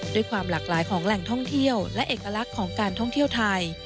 ด้วยความหลากหลายของแหล่งท่องเที่ยวและเอกลักษณ์ของการท่องเที่ยวไทย